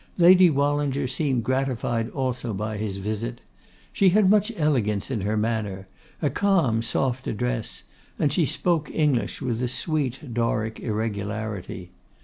Lady Wallinger seemed gratified also by his visit. She had much elegance in her manner; a calm, soft address; and she spoke English with a sweet Doric irregularity.